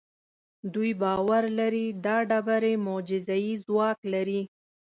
دوی باور لري دا ډبرې معجزه اي ځواک لري.